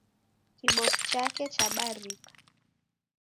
Kibofu chake chabarika